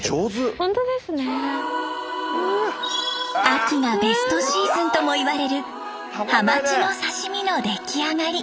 秋がベストシーズンともいわれるハマチの刺身の出来上がり。